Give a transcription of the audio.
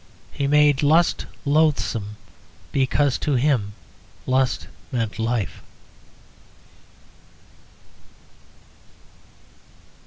He made lust loathsome because to him lust meant life.